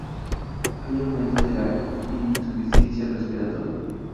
Hay aumento de la insuficiencia respiratoria.